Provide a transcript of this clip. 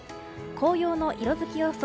紅葉の色づき予想